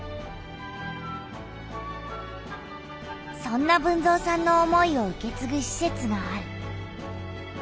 そんな豊造さんの思いを受けつぐしせつがある。